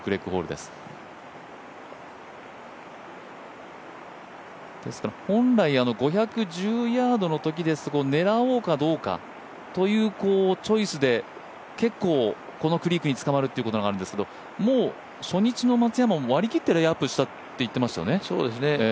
ですから本来５１０ヤードのときで狙おうかどうかというチョイスで結構このクリークに捕まるということがあるんですけどもう、初日の松山も割り切って、レイアップしたと言ってましたね。